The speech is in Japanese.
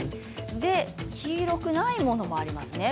黄色くないものもありますね。